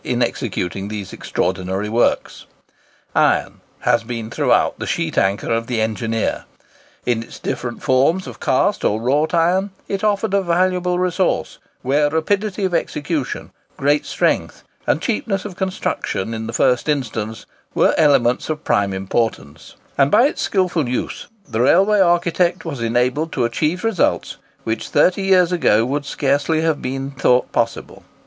In executing these extraordinary works, iron has been throughout the sheet anchor of the engineer. In its different forms of cast or wrought iron, it offered a valuable resource, where rapidity of execution, great strength, and cheapness of construction in the first instance, were elements of prime importance; and by its skilful use, the railway architect was enabled to achieve results which thirty years ago would scarcely have been thought possible.